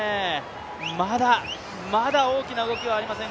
まだ、まだ大きな動きはありません。